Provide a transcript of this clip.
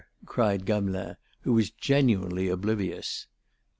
cried Gamelin, who was genuinely oblivious.